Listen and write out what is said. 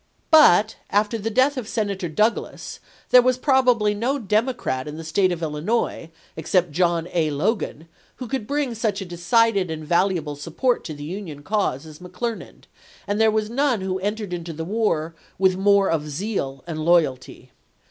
But, after the death of Senator Douglas, there was probably no Democrat in the State of Illinois, ex cept John A. Logan, who could bring such a decided and valuable support to the Union cause as Mc Clernand, and there was none who entered into the war with more of zeal and loyalty.